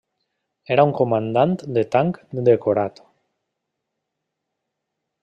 Era un comandant de tanc decorat.